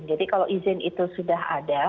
jadi kalau izin itu sudah ada